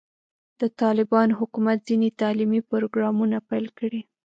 د طالبانو حکومت ځینې تعلیمي پروګرامونه پیل کړي.